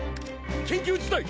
緊急事態！